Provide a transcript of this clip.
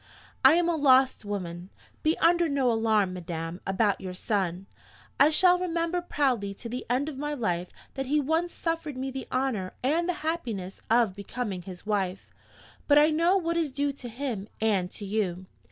I am a lost woman. Be under no alarm, madam, about your son. I shall remember proudly to the end of my life that he once offered me the honor and the happiness of becoming his wife; but I know what is due to him and to you.